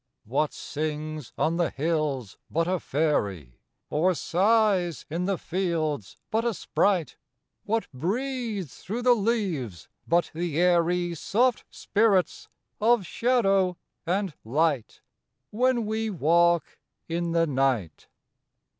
What sings on the hills but a fairy? Or sighs in the fields but a sprite? What breathes through the leaves but the airy Soft spirits of shadow and light, When we walk in the night?